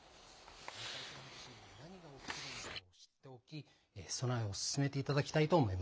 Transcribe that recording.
南海トラフ地震で何が起きるのかを知っておき備えを進めていただきたいと思い